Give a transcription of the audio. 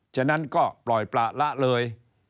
ฉะนั้นก็ปล่อยประละเลย